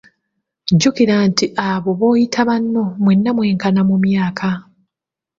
Jjukira nti abo b'oyita banno mwenna mwenkana mu myaka.